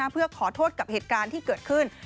เพื่อขอโทษกับเหตุการณ์ที่เกิดขึ้น